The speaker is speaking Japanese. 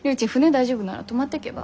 大丈夫なら泊まってけば？